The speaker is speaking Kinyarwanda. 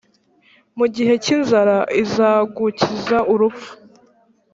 mu gihe cy’inzara izagukiza urupfu.